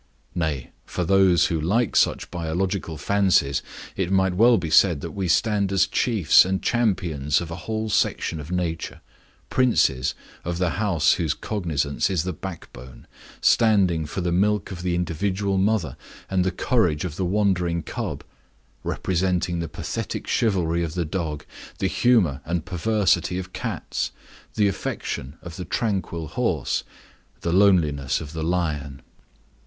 Nay, for those who like such biological fancies it might well be said that we stand as chiefs and champions of a whole section of nature, princes of the house whose cognizance is the backbone, standing for the milk of the individual mother and the courage of the wandering cub, representing the pathetic chivalry of the dog, the humor and perversity of cats, the affection of the tranquil horse, the loneliness of the lion.